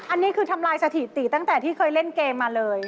อันนี้คือทำลายสถิติตั้งแต่ที่เคยเล่นเกมมาเลย